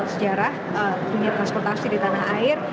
sejarah dunia transportasi di tanah air